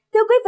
thưa quý vị